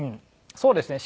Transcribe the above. そうですね。